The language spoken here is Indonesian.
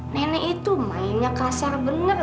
nenek itu mainnya kasar bener